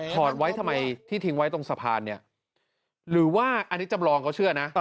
อดไว้ทำไมที่ทิ้งไว้ตรงสะพานเนี่ยหรือว่าอันนี้จำลองเขาเชื่อนะ